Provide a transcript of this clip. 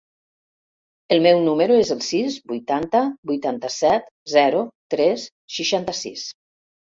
El meu número es el sis, vuitanta, vuitanta-set, zero, tres, seixanta-sis.